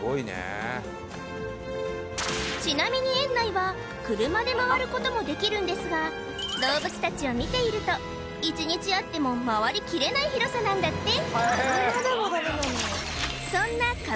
ちなみに園内は車で回ることもできるんですが動物たちを見ていると１日あっても回りきれない広さなんだって